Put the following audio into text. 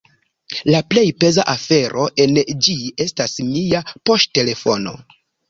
La plej peza afero en ĝi estas mia poŝtelefono.